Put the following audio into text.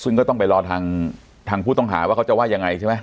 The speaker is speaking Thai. ซึ่งก็ต้องไปรอทางผู้ต้องหาว่าเขาจะว่ายังไงใช่ไหม